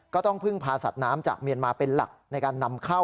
ก็ต้องพึ่งพาสัตว์น้ำจากเมียนมาเป็นหลักในการนำเข้า